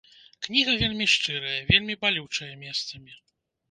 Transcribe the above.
Кніга вельмі шчырая, вельмі балючая месцамі.